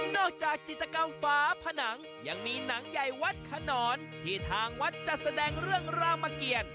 จากจิตกรรมฝาผนังยังมีหนังใหญ่วัดขนอนที่ทางวัดจะแสดงเรื่องรามเกียรติ